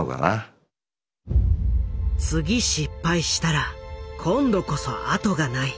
「次失敗したら今度こそ後がない」。